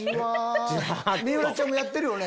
水卜ちゃんもやってるよね？